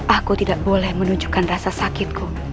aku tidak boleh menunjukkan rasa sakitku